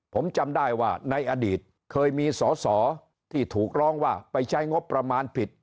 ผมจำได้ว่าในอดีตเคยมีสอสอที่ถูกร้องว่าไปใช้งบประมาณผิด